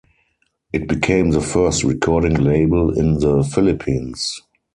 It became the first recording label in the Philippines.